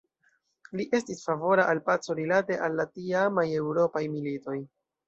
Li estis favora al paco rilate al la tiamaj eŭropaj militoj.